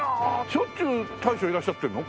しょっちゅう大将いらっしゃってるの？